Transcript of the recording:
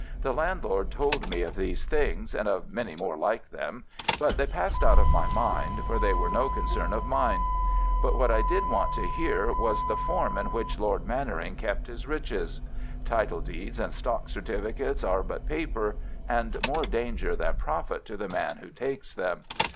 The landlord told me of these things, and of many more like them, but they passed out of my mind, for they were no concern of mine. But what I did want to hear was the form in which Lord Mannering kept his riches. Title deeds and stock certificates are but paper, and more danger than profit to the man who takes them.